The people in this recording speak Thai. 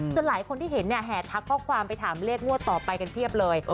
หลายคนที่เห็นเนี่ยแห่ทักข้อความไปถามเลขงวดต่อไปกันเพียบเลย